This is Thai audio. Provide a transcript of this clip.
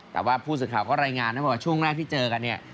แต่ว่าผู้สึกข่าวก็รายงานให้บอกว่าช่วงแรกที่เจอกัน